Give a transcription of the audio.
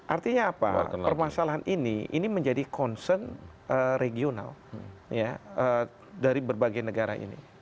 artinya apa permasalahan ini ini menjadi concern regional dari berbagai negara ini